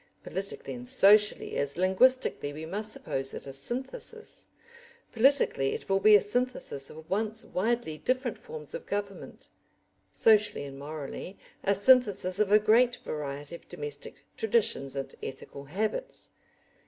Politically and socially, as linguistically, we must suppose it a synthesis; politically it will be a synthesis of once widely different forms of government; socially and morally, a synthesis of a great variety of domestic traditions and ethical habits.